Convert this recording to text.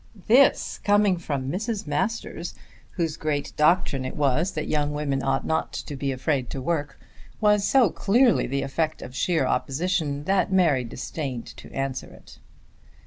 This coming from Mrs. Masters, whose great doctrine it was that young women ought not to be afraid of work, was so clearly the effect of sheer opposition that Mary disdained to answer it.